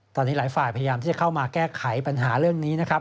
ตอนนี้หลายฝ่ายพยายามที่จะเข้ามาแก้ไขปัญหาเรื่องนี้นะครับ